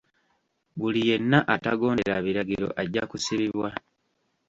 Buli yenna atagondera biragiro ajja kusibibwa.